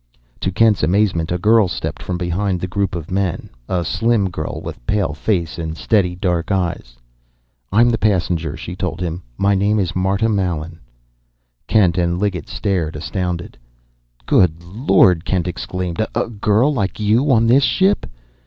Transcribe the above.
To Kent's amazement a girl stepped from behind the group of men, a slim girl with pale face and steady, dark eyes. "I'm the passenger," she told him. "My name's Marta Mallen." Kent and Liggett stared, astounded. "Good Lord!" Kent exclaimed. "A girl like you on this ship!"